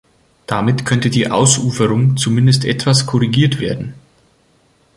Damit könnte die Ausuferung zumindest etwas korrigiert werden.